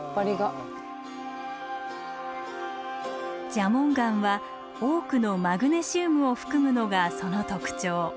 蛇紋岩は多くのマグネシウムを含むのがその特徴。